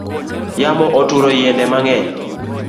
Yamo oturo yiende mangeny